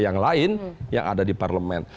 yang lain yang ada di parlemen